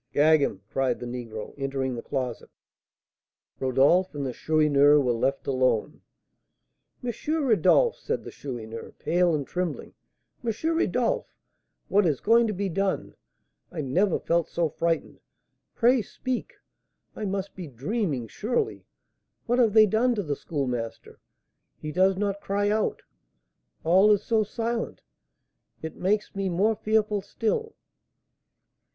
"Gag him!" cried the negro, entering the closet. Rodolph and the Chourineur were left alone. "M. Rodolph," said the Chourineur, pale and trembling, "M. Rodolph, what is going to be done? I never felt so frightened. Pray speak; I must be dreaming, surely. What have they done to the Schoolmaster? He does not cry out, all is so silent; it makes me more fearful still!"